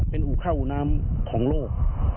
เป็นอู่เข้าอูน้ำของโลก